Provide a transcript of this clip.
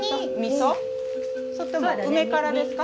それとも梅からですか？